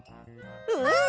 うん！